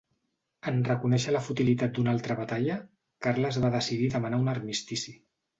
En reconèixer la futilitat d'una altra batalla, Carles va decidir demanar un armistici.